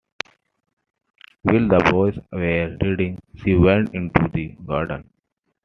While the boys were reading, she went into the garden.